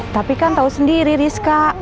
tapi kan tahu sendiri rizka